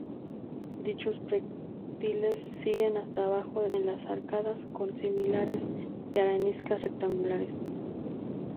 Dichos pretiles siguen hasta abajo en las arcadas con sillares de arenisca rectangulares.